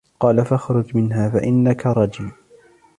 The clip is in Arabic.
قَالَ فَاخْرُجْ مِنْهَا فَإِنَّكَ رَجِيمٌ